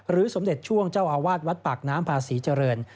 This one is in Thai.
สมเด็จช่วงเจ้าอาวาสวัดปากน้ำพาศรีเจริญ